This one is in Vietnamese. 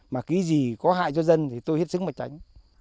mà cái gì có hại cho dân thì tôi hết sức mà tránh